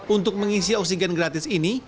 untuk mengisi oksigen gratis ini